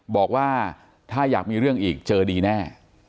บอกว่าถ้าอยากมีเรื่องอีกเจอดีแน่